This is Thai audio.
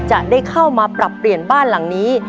จะได้เข้ามาปรับเปลี่ยนบ้านหลังนี้